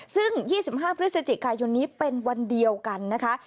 ซึ่ง๒๕พฤศจิกายนนี้เป็นวันเดียวกันนะคะ